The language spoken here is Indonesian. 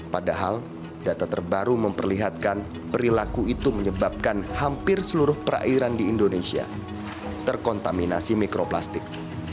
padahal data terbaru memperlihatkan perilaku itu menyebabkan hampir seluruh perairan di indonesia terkontaminasi mikroplastik